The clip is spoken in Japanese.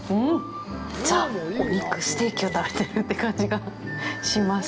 ザ・お肉、ステーキを食べているという感じがします！